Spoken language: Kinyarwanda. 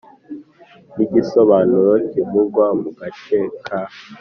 n igisobanuro kivugwa mu gace ka